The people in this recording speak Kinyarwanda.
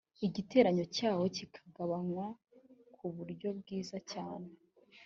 igiteranyo cyawo kikagabanywa ku buryo bwiza cyane